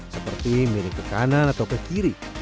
seperti mirip ke kanan atau ke kiri